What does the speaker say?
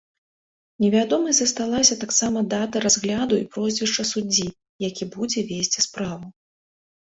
Невядомай засталася таксама дата разгляду і прозвішча суддзі, які будзе весці справу.